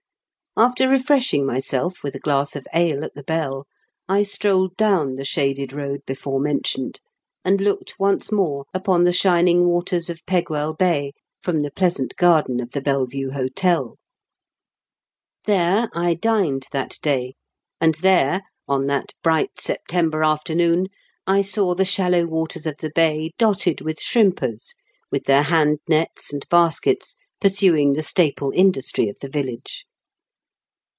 After refreshing myself with a glass of ale at The Bell, I strolled down the shaded road before mentioned, and looked once more upon the shining waters of Pegwell Bay from the pleasant garden of The Belle Vue Hotel. There I dined that day, and there, on that bright September afternoon, I saw the shallow 312 m KENT WITE CHABLES DICKENS. waters of the bay dotted with shrimpers, with* their hand nets and baskets, pursuing the staple industry of the village.